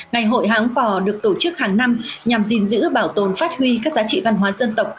ngày hội háng bò được tổ chức hàng năm nhằm gìn giữ bảo tồn phát huy các giá trị văn hóa dân tộc